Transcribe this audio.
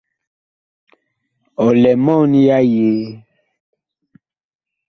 Ɔ lɛ mɔɔn ya yee ?